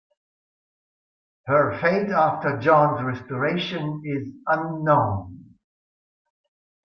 Her fate after John's restoration is unknown.